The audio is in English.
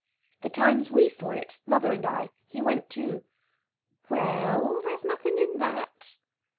The times we saw it, mother and I. He went too.... We e e ell, there's nothing in that!"